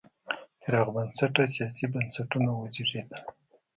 پراخ بنسټه سیاسي بنسټونه وزېږېدل.